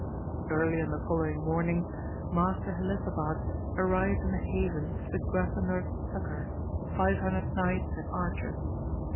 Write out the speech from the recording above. Early on the following morning Master Helisabad arrived in the haven with Grasandor's succour, five hundred knights and archers.